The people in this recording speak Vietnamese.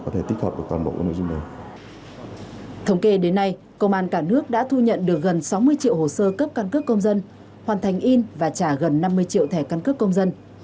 năm mươi triệu thẻ căn cước công dân